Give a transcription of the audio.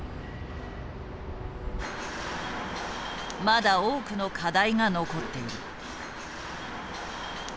まだ多くの課題が残っている。